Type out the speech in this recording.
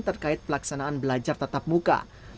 terkait pelaksanaan belajar tatap muka